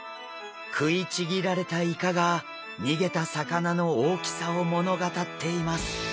食いちぎられたイカが逃げた魚の大きさを物語っています。